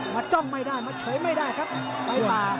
มันจ้องไม่ได้มันโฉยไม่ได้ครับ